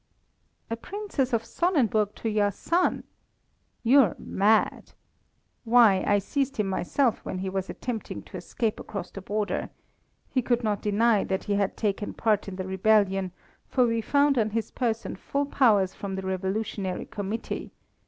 "A Princess of Sonnenburg to your son! You're mad! Why, I seized him myself when he was attempting to escape across the border. He could not deny that he had taken part in the rebellion, for we found on his person full powers from the revolutionary committee.